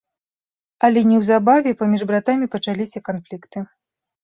Але неўзабаве паміж братамі пачаліся канфлікты.